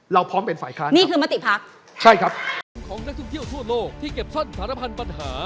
เราพร้อมเป็นฝ่ายค้านี้ครับ